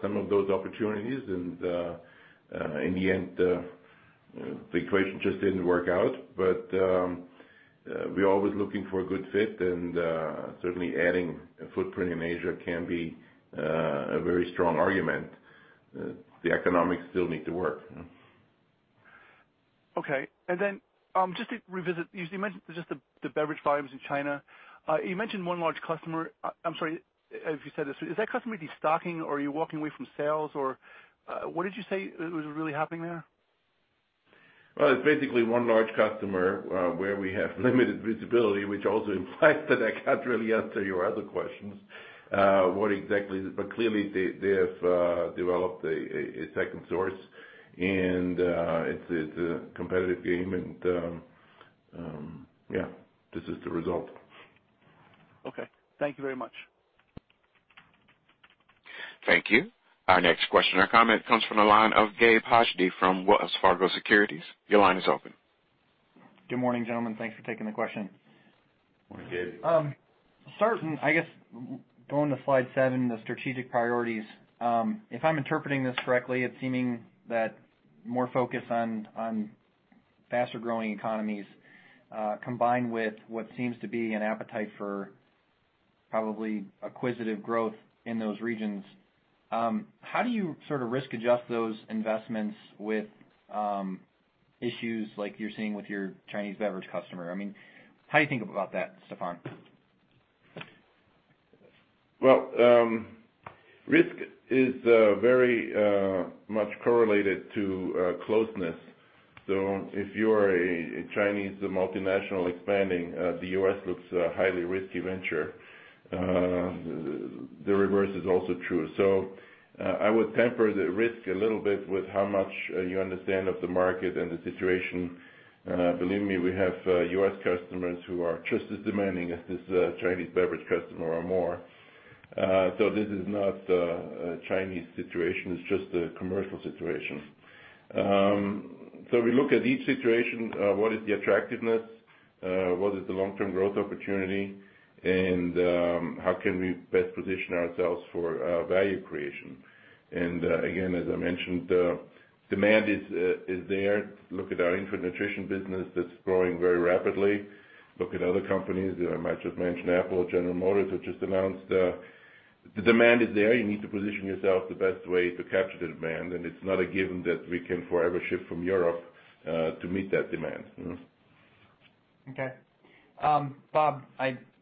some of those opportunities, and in the end, the equation just didn't work out. We're always looking for a good fit and certainly adding a footprint in Asia can be a very strong argument. The economics still need to work. Okay. Just to revisit, you mentioned just the beverage volumes in China. You mentioned one large customer. I'm sorry if you said this. Is that customer de-stocking or are you walking away from sales, or what did you say was really happening there? Well, it's basically one large customer where we have limited visibility, which also implies that I can't really answer your other questions what exactly. Clearly, they have developed a second source, and it's a competitive game, and yeah, this is the result. Okay. Thank you very much. Thank you. Our next question or comment comes from the line of Ghansham Panjabi, Wells Fargo Securities. Your line is open. Good morning, gentlemen. Thanks for taking the question. Morning, Gabe. I guess going to slide seven, the strategic priorities. If I'm interpreting this correctly, it's seeming that more focus on faster-growing economies, combined with what seems to be an appetite for probably acquisitive growth in those regions. How do you risk adjust those investments with issues like you're seeing with your Chinese beverage customer? How do you think about that, Stephan? Well, risk is very much correlated to closeness. If you are a Chinese multinational expanding, the U.S. looks a highly risky venture. The reverse is also true. I would temper the risk a little bit with how much you understand of the market and the situation. Believe me, we have U.S. customers who are just as demanding as this Chinese beverage customer or more. This is not a Chinese situation, it's just a commercial situation. We look at each situation, what is the attractiveness? What is the long-term growth opportunity? How can we best position ourselves for value creation? Again, as I mentioned, demand is there. Look at our infant nutrition business that's growing very rapidly. Look at other companies. I might just mention Apple, General Motors, who just announced. The demand is there. You need to position yourself the best way to capture the demand, and it's not a given that we can forever ship from Europe to meet that demand. Okay. Bob,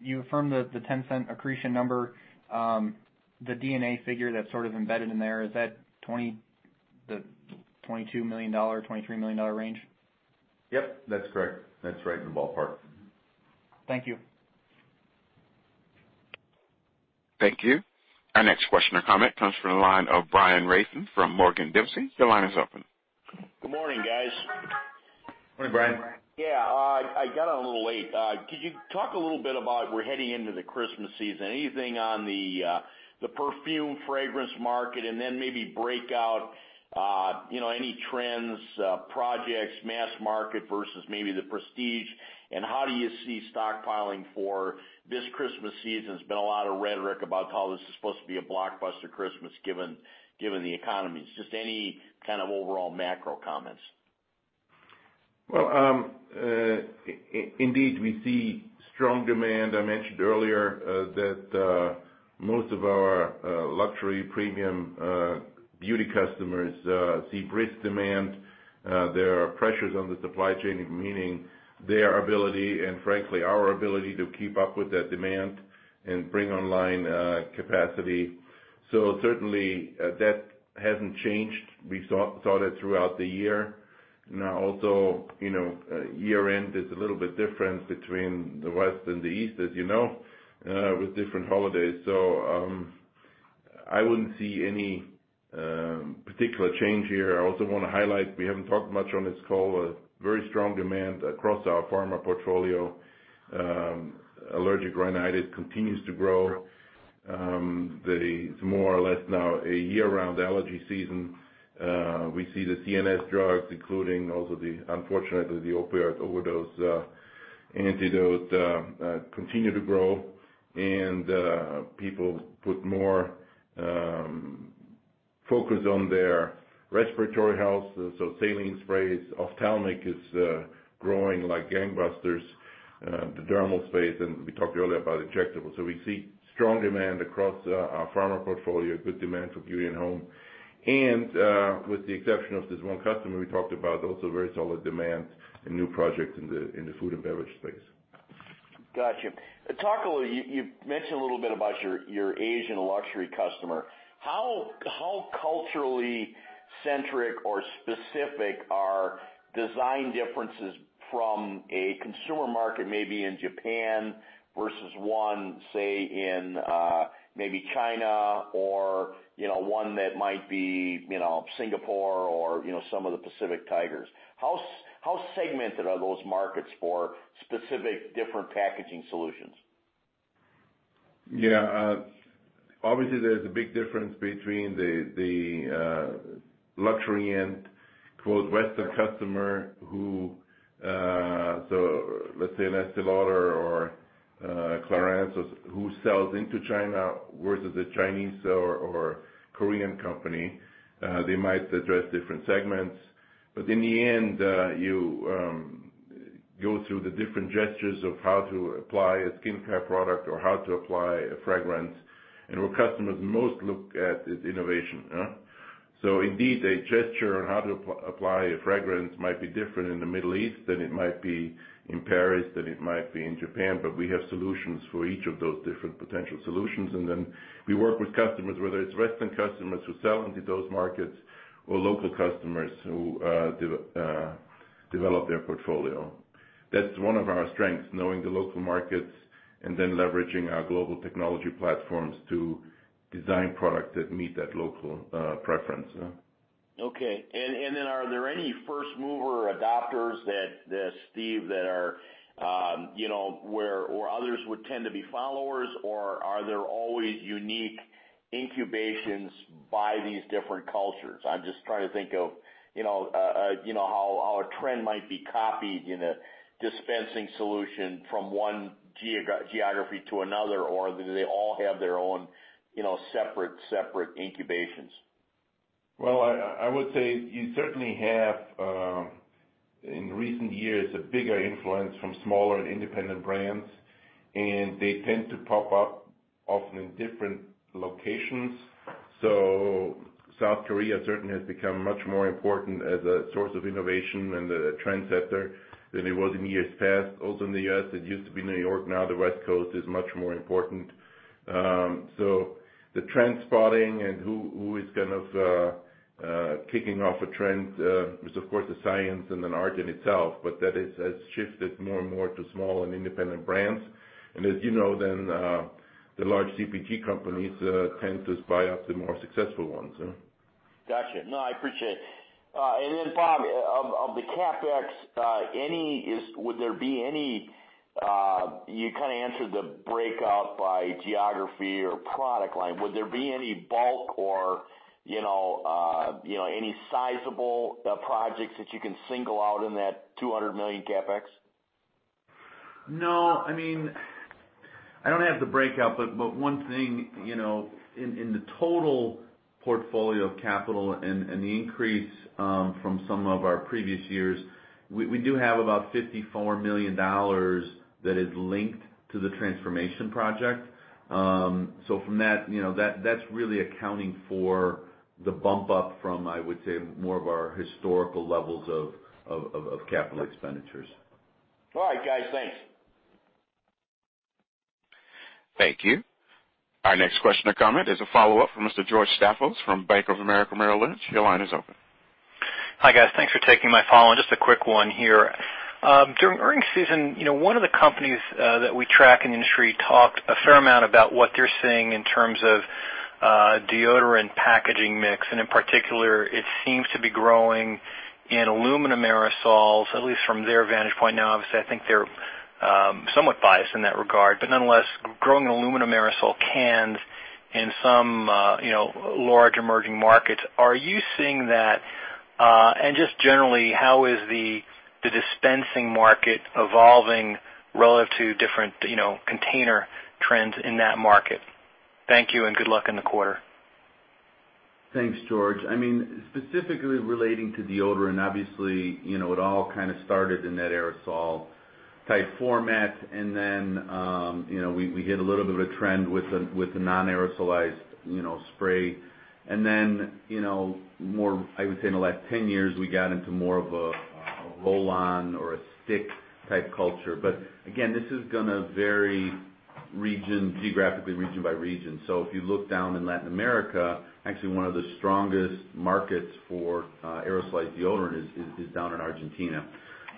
you affirmed the $0.10 accretion number. The D&A figure that's sort of embedded in there, is that the $22 million, $23 million range? Yep, that's correct. That's right in the ballpark. Thank you. Thank you. Our next question or comment comes from the line of Brian Rafn from Morgan Dempsey. Your line is open. Good morning, guys. Morning, Brian. Yeah. I got on a little late. Could you talk a little bit about, we're heading into the Christmas season, anything on the perfume fragrance market? Maybe break out any trends, projects, mass market versus maybe the prestige, and how do you see stockpiling for this Christmas season? There's been a lot of rhetoric about how this is supposed to be a blockbuster Christmas given the economy. Just any kind of overall macro comments. Well, indeed, we see strong demand. I mentioned earlier that most of our luxury premium beauty customers see brisk demand. There are pressures on the supply chain, meaning their ability, and frankly, our ability to keep up with that demand and bring online capacity. Certainly that hasn't changed. We saw that throughout the year. Also, year-end is a little bit different between the West and the East, as you know, with different holidays. I wouldn't see any particular change here. I also want to highlight, we haven't talked much on this call, a very strong demand across our pharma portfolio. Allergic rhinitis continues to grow. It's more or less now a year-round allergy season. We see the CNS drugs, including also, unfortunately, the opioid overdose antidote continue to grow. People put more focus on their respiratory health, so saline sprays. Ophthalmic is growing like gangbusters. The dermal space, we talked earlier about injectables. We see strong demand across our pharma portfolio, good demand for beauty and home. With the exception of this one customer we talked about, also very solid demand and new projects in the food and beverage space. Got you. You've mentioned a little bit about your Asian luxury customer. How culturally centric or specific are design differences from a consumer market, maybe in Japan versus one, say, in maybe China or one that might be Singapore or some of the Pacific Tigers? How segmented are those markets for specific different packaging solutions? Yeah. Obviously, there's a big difference between the luxury end, quote, "Western customer," so let's say an Estée Lauder or Clarins, who sells into China versus a Chinese or Korean company. They might address different segments, but in the end, you go through the different gestures of how to apply a skincare product or how to apply a fragrance. Where customers most look at is innovation. Indeed, a gesture on how to apply a fragrance might be different in the Middle East than it might be in Paris, than it might be in Japan, but we have solutions for each of those different potential solutions. We work with customers, whether it's Western customers who sell into those markets or local customers who develop their portfolio. That's one of our strengths, knowing the local markets and then leveraging our global technology platforms to design products that meet that local preference. Okay. Are there any first mover adopters, Steve, where others would tend to be followers, or are there always unique incubations by these different cultures? I'm just trying to think of how a trend might be copied in a dispensing solution from one geography to another, or do they all have their own separate incubations? Well, I would say you certainly have, in recent years, a bigger influence from smaller independent brands, and they tend to pop up often in different locations. South Korea certainly has become much more important as a source of innovation and a trendsetter than it was in years past. Also in the U.S., it used to be New York, now the West Coast is much more important. The trend spotting and who is kind of kicking off a trend is of course, a science and an art in itself, but that has shifted more and more to small and independent brands. As you know, then, the large CPG companies tend to buy up the more successful ones. Got you. No, I appreciate it. Then Bob, of the CapEx, you kind of answered the breakout by geography or product line. Would there be any bulk or any sizable projects that you can single out in that $200 million CapEx? No. I don't have the breakout, one thing, in the total portfolio of capital and the increase from some of our previous years, we do have about $54 million that is linked to the transformation project. From that's really accounting for the bump up from, I would say, more of our historical levels of capital expenditures. All right, guys. Thanks. Thank you. Our next question or comment is a follow-up from Mr. George Staphos from Bank of America Merrill Lynch. Your line is open. Hi, guys. Thanks for taking my follow-on. Just a quick one here. During earnings season, one of the companies that we track in the industry talked a fair amount about what they're seeing in terms of deodorant packaging mix, and in particular, it seems to be growing in aluminum aerosols, at least from their vantage point. Now, obviously, I think they're somewhat biased in that regard, but nonetheless, growing aluminum aerosol cans in some large emerging markets. Are you seeing that? Just generally, how is the dispensing market evolving relative to different container trends in that market? Thank you, and good luck in the quarter. Thanks, George. Specifically relating to deodorant, obviously, it all kind of started in that aerosol-type format. Then we hit a little bit of a trend with the non-aerosolized spray. Then, I would say in the last 10 years, we got into more of a roll-on or a stick-type culture. Again, this is going to vary geographically region by region. If you look down in Latin America, actually one of the strongest markets for aerosolized deodorant is down in Argentina.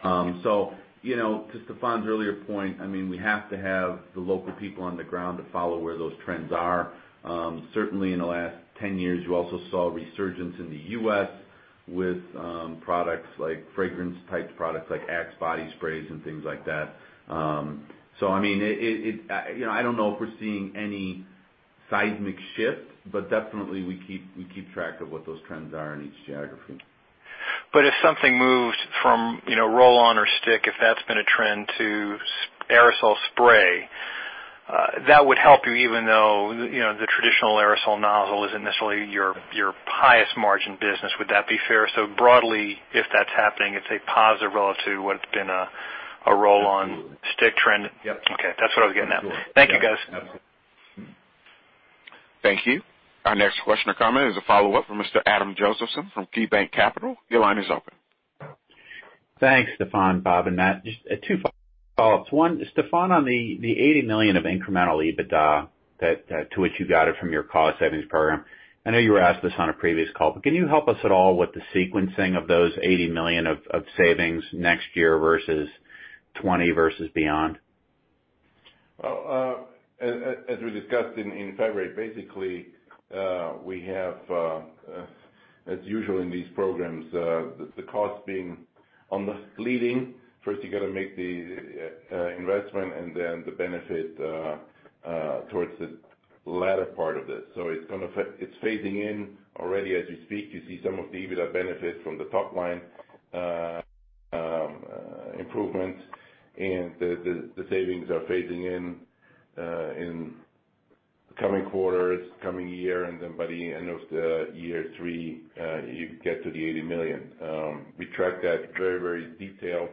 To Stephan's earlier point, we have to have the local people on the ground to follow where those trends are. Certainly, in the last 10 years, you also saw a resurgence in the U.S. with products like fragrance-type products, like Axe body sprays and things like that. I don't know if we're seeing any seismic shift, but definitely we keep track of what those trends are in each geography. If something moves from roll-on or stick, if that's been a trend, to aerosol spray, that would help you even though the traditional aerosol nozzle isn't necessarily your highest margin business, would that be fair? Broadly, if that's happening, it's a positive relative to what's been a roll-on stick trend. Yep. Okay. That's what I was getting at. Absolutely. Thank you, guys. Yeah. Thank you. Our next question or comment is a follow-up from Mr. Adam Josephson from KeyBanc Capital. Your line is open. Thanks, Stephan, Bob, and Matt. Just two follow-ups. One, Stephan, on the $80 million of incremental EBITDA, to which you got it from your cost savings program. I know you were asked this on a previous call, can you help us at all with the sequencing of those $80 million of savings next year versus 2020 versus beyond? Well, as we discussed in February, basically, we have, as usual in these programs, the cost being on the leading. First, you got to make the investment and the benefit towards the latter part of this. It's phasing in already as we speak. You see some of the EBITDA benefits from the top-line improvements, the savings are phasing in the coming quarters, coming year, and by the end of the year three, you get to the $80 million. We track that very detailed.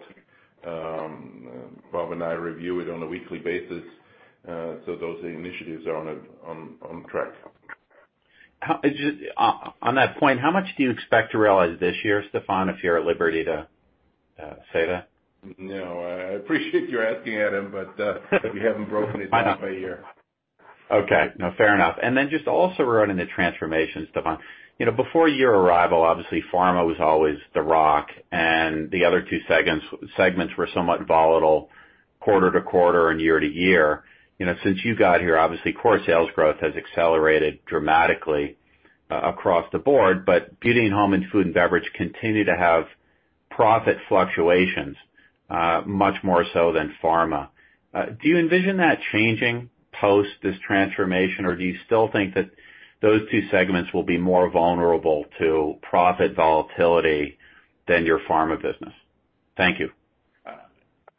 Bob and I review it on a weekly basis. Those initiatives are on track. On that point, how much do you expect to realize this year, Stephan, if you're at liberty to say that? No. I appreciate you asking, Adam, we haven't broken it down by year. Okay. No, fair enough. Just also around in the transformation, Stephan. Before your arrival, obviously, Pharma was always the rock, and the other two segments were somewhat volatile quarter-to-quarter and year-to-year. Since you got here, obviously, core sales growth has accelerated dramatically across the board, but Beauty and Home and Food and Beverage continue to have profit fluctuations much more so than Pharma. Do you envision that changing post this transformation, or do you still think that those two segments will be more vulnerable to profit volatility than your Pharma business? Thank you.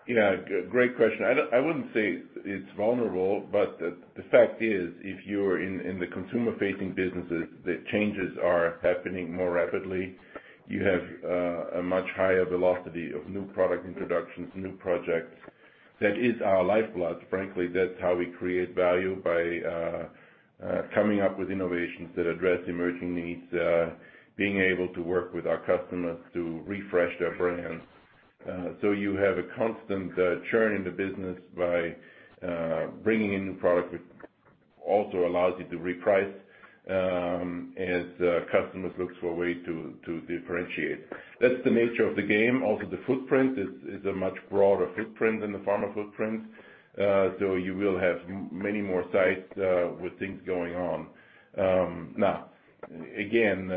Yeah. Great question. I wouldn't say it's vulnerable. The fact is, if you're in the consumer-facing businesses, the changes are happening more rapidly. You have a much higher velocity of new product introductions, new projects. That is our lifeblood, frankly. That's how we create value, by coming up with innovations that address emerging needs, being able to work with our customers to refresh their brands. You have a constant churn in the business by bringing in new product, which also allows you to reprice as customers look for a way to differentiate. That's the nature of the game. The footprint is a much broader footprint than the Pharma footprint. You will have many more sites with things going on. Again,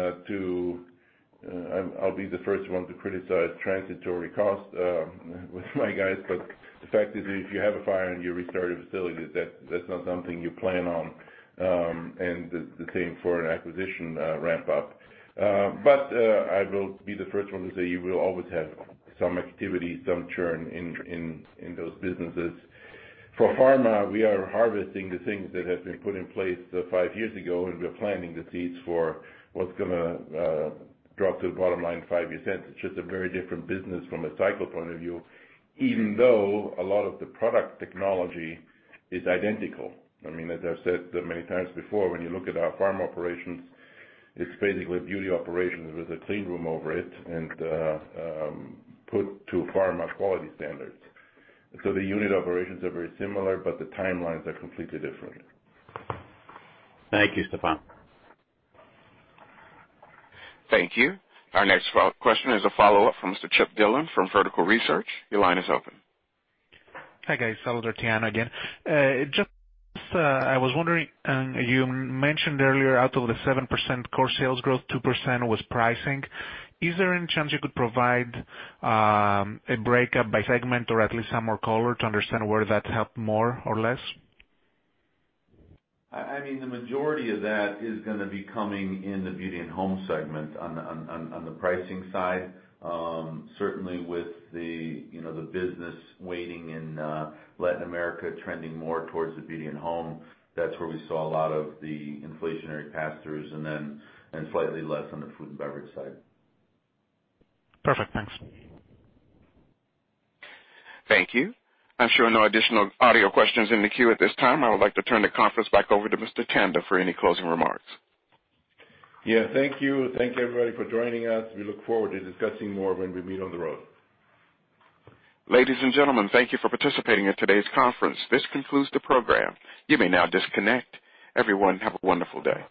I'll be the first one to criticize transitory costs with my guys. The fact is, if you have a fire and you restart your facilities, that's not something you plan on, and the same for an acquisition ramp up. I will be the first one to say you will always have some activity, some churn in those businesses. For Pharma, we are harvesting the things that have been put in place five years ago, and we are planting the seeds for what's going to drop to the bottom line five years hence. It's just a very different business from a cycle point of view, even though a lot of the product technology is identical. As I've said many times before, when you look at our Pharma operations, it's basically Beauty operations with a clean room over it and put to Pharma quality standards. The unit operations are very similar. The timelines are completely different. Thank you, Stephan. Thank you. Our next question is a follow-up from Mr. Chip Dillon from Vertical Research. Your line is open. Hi, guys. Salvatore Tiano again. Just I was wondering, you mentioned earlier out of the 7% core sales growth, 2% was pricing. Is there any chance you could provide a breakup by segment or at least some more color to understand where that helped more or less? The majority of that is going to be coming in the Beauty and Home segment on the pricing side. Certainly, with the business waiting in Latin America, trending more towards the Beauty and Home, that's where we saw a lot of the inflationary pass-throughs and slightly less on the Food and Beverage side. Perfect. Thanks. Thank you. I'm showing no additional audio questions in the queue at this time. I would like to turn the conference back over to Mr. Tanda for any closing remarks. Yeah. Thank you. Thank you everybody for joining us. We look forward to discussing more when we meet on the road. Ladies and gentlemen, thank you for participating in today's conference. This concludes the program. You may now disconnect. Everyone, have a wonderful day.